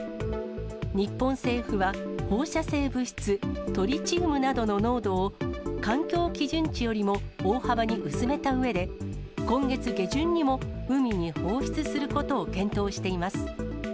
日本政府は放射性物質トリチウムなどの濃度を、環境基準値よりも大幅に薄めたうえで、今月下旬にも海に放出することを検討しています。